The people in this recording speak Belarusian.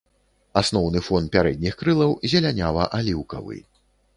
Асноўны фон пярэдніх крылаў зелянява-аліўкавы.